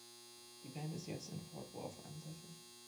Die Band ist jetzt in Fort Worth ansässig.